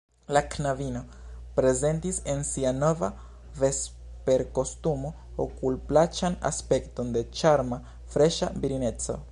La knabino prezentis en sia nova vesperkostumo okulplaĉan aspekton de ĉarma, freŝa virineco.